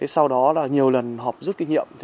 sau đó là nhiều lần họp rút kinh nghiệm